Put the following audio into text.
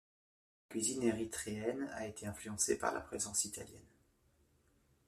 La cuisine érythréenne a été influencée par la présence italienne.